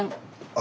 あ。